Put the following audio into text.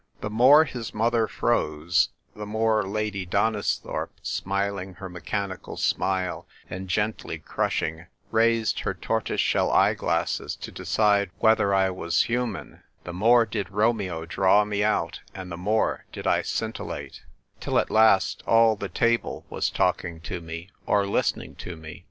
The more his mother froze, the more Lady Donisthorpe, smiling her mechanical smile, and gently crushing, raised her tortoise shell eye glasses to decide whether I was human, the more did Romeo draw me out, and the more did I scintillate, till at last all the table was talking to me or listening to me.